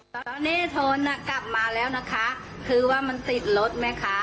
ตอนนี้โทนอ่ะกลับมาแล้วนะคะคือว่ามันติดรถไหมคะ